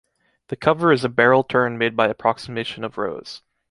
The cover is a barrel turn made by approximation of rows.